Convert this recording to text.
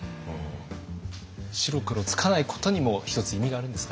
白黒つかないことにも一つ意味があるんですかね。